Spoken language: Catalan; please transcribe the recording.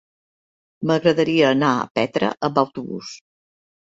M'agradaria anar a Petra amb autobús.